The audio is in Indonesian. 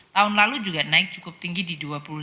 tahun lalu juga naik cukup tinggi di dua puluh lima